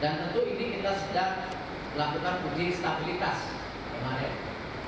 dan tentu ini kita sedang melakukan uji stabilitas kemarin